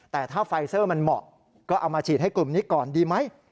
แต่ถ้าไฟเซอร์มันเหมาะก็เอามาฉีดให้กลุ่มนี้ก่อนดีไหม